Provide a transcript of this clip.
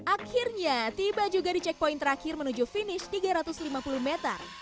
akhirnya tiba juga di checkpoint terakhir menuju finish tiga ratus lima puluh meter